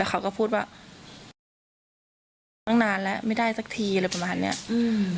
เขาก็พูดว่าตั้งนานแล้วไม่ได้สักทีอะไรประมาณเนี้ยอืม